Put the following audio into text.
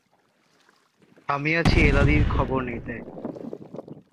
আমি আছি এলাদির খবর নিতে।